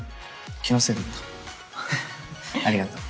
気のせいだったありがとう。